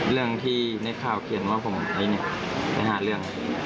เรื่องที่ในข่าวเขียนว่าผมเองใน๕เรื่อง